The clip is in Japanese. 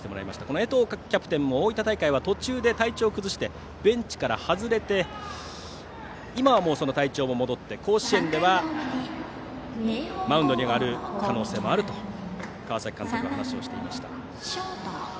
この江藤キャプテンも大分大会は途中で体調を崩してベンチから外れて今はもう、その体調も戻って甲子園では、マウンドに上がる可能性もあると川崎監督は話をしていました。